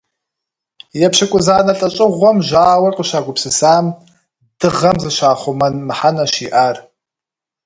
Епщыкӏузанэ лӏэщӏыгъуэм жьауэр къыщагупсысам дыгъэм зыщахъумэн мыхьэнэщ иӏар.